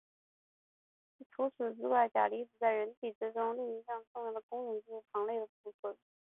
除此之外钾离子在人体之中另一项重要的功能是糖类的储存。